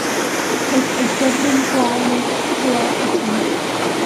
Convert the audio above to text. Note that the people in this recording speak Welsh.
Caiff ei gyfri'n bla mewn caeau cotwm.